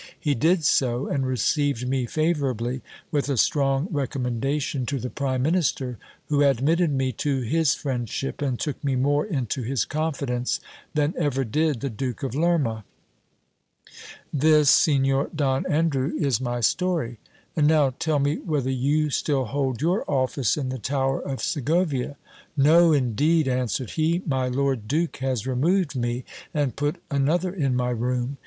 He did so, and received me favourably, with a strong recommendation to the prime mjiister, who admitted me to his friendship, and took me more into his conn j dence than ever did the Duke of Lerma. This, Signor Don Andrew, is my I story. And now tell me whether you still hold your office in the tower of Se gcvia. No, indeed ! answered he ; my lord duke has removed me, and put another in my room.